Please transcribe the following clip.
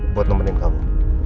buat nemenin kamu